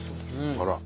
あら！